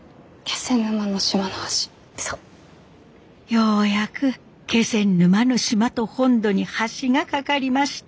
ようやく気仙沼の島と本土に橋が架かりました。